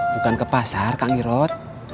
bukan ke pasar kang irot